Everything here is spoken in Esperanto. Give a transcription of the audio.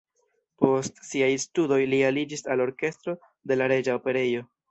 Post siaj studoj li aliĝis al orkestro de la Reĝa Operejo.